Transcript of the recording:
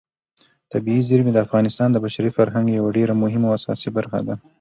طبیعي زیرمې د افغانستان د بشري فرهنګ یوه ډېره مهمه او اساسي برخه ده.